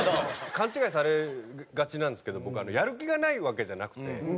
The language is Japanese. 勘違いされがちなんですけど僕やる気がないわけじゃなくて。